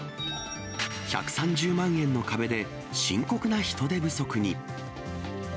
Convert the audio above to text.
１３０万円の壁で深刻な人手不足に。